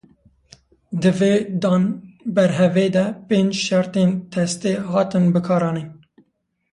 Di vê danberhevê de pênc şertên testê hatin bikaranîn.